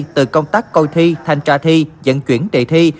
từ công tác coi thi thanh tra thi dẫn chuyển đề thi